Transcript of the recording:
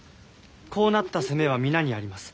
こうなった責めは皆にあります。